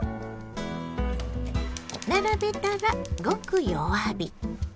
並べたらごく弱火。